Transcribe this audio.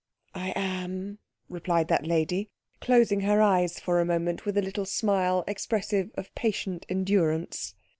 "I am," replied that lady, closing her eyes for a moment with a little smile expressive of patient endurance.